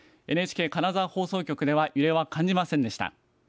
ＮＨＫ金沢放送局では揺れは感じませんでした。